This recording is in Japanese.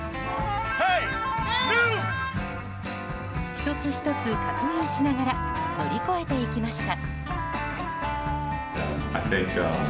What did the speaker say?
１つ１つ確認しながら乗り越えていきました。